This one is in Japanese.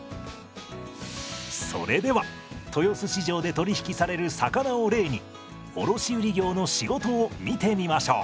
それでは豊洲市場で取り引きされる魚を例に卸売業の仕事を見てみましょう。